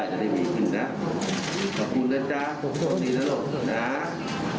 ใครได้จะได้มีกินนะขอบคุณนะจ๊ะความสุขดีนะครับ